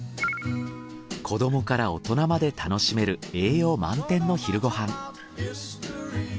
子どもから大人まで楽しめる栄養満点の昼ご飯。